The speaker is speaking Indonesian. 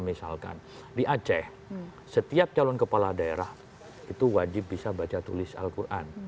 misalkan di aceh setiap calon kepala daerah itu wajib bisa baca tulis al quran